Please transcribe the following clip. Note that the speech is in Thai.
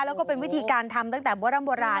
แล้วก็เป็นวิธีการทำตั้งแต่โบราณโบราณ